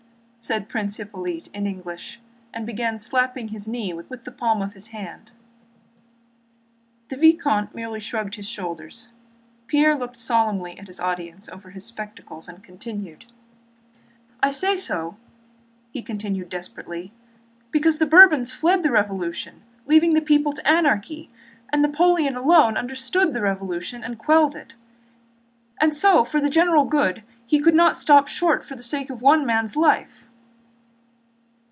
said Prince Hippolyte in English, and began slapping his knee with the palm of his hand. The vicomte merely shrugged his shoulders. Pierre looked solemnly at his audience over his spectacles and continued. "I say so," he continued desperately, "because the Bourbons fled from the Revolution leaving the people to anarchy, and Napoleon alone understood the Revolution and quelled it, and so for the general good, he could not stop short for the sake of one man's life."